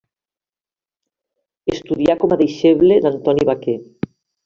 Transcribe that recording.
Estudià com a deixeble d'Antoni Vaquer.